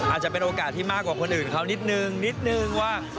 อาจจะเป็นโอกาสที่มากกว่าคนอื่นเขานิดนึงนิดนึงว่า